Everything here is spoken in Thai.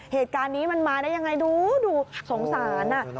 เหตุการณ์นี้มันมาได้ยังไงดูสงสาร